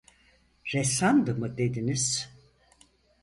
Ressamdı mı dediniz?